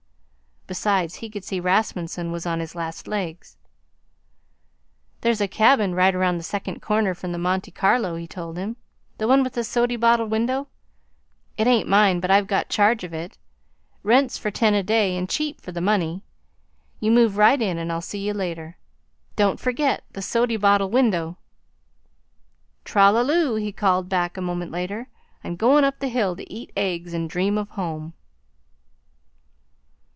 Besides, he could see Rasmunsen was on his last legs. "There's a cabin right around the second corner from the Monte Carlo," he told him "the one with the sody bottle window. It ain't mine, but I've got charge of it. Rents for ten a day and cheap for the money. You move right in, and I'll see you later. Don't forget the sody bottle window." "Tra la loo!" he called back a moment later. "I'm goin' up the hill to eat eggs and dream of home."